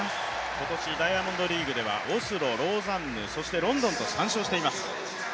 今年ダイヤモンドリーグではオスロ、ローザンヌそしてロンドンと３勝しています。